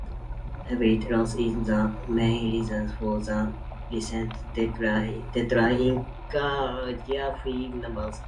Habitat loss is the main reason for the recent decline in giraffe numbers.